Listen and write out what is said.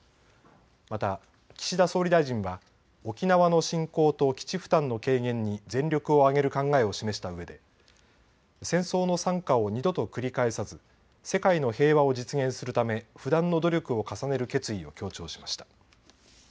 また岸田総理大臣は沖縄の振興と基地負担の軽減に全力を挙げる考えを示したうえで戦争の惨禍を二度と繰り返さず世界の平和を実現するため不断の努力を重ねる決意を強調しました。